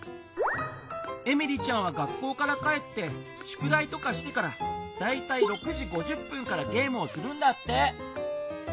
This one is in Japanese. エミリちゃんは学校から帰ってしゅくだいとかしてからだいたい６時５０分からゲームをするんだって。